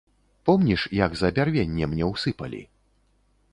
Помніш, як за бярвенне мне ўсыпалі?